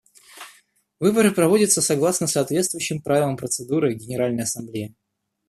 Выборы проводятся согласно соответствующим правилам процедуры Генеральной Ассамблеи.